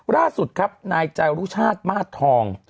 ล่าสุดครับนายจารุชาติมาสทอง